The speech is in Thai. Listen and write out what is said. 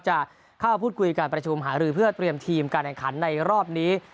จะเข้าพูดคุยการประชุมหารือเพื่อเตรียมทีมการแข่งขันในรอบนี้